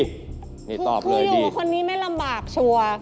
คืออยู่กับคนนี้ไม่ลำบากชัวร์